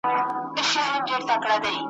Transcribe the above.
پټ به د رقیب له بدو سترګو سو تنها به سو `